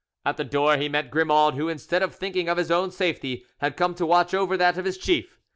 At the door he met Grimaud, who, instead of thinking of his own safety, had come to watch over that of his chief.